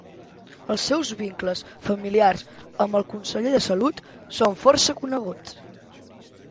Els seus vincles familiars amb el conseller de Salut són força coneguts.